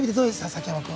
崎山君。